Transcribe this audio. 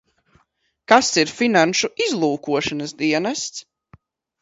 Kas ir finanšu izlūkošanas dienests?